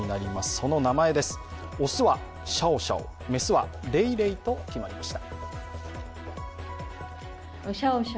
その名前です、雄はシャオシャオ、雌はレイレイと決まりました。